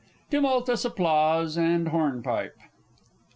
[_Tumultuous applause, and hornpipe.